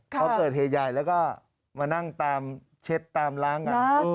พอเกิดเหตุใหญ่แล้วก็มานั่งตามเช็ดตามล้างกัน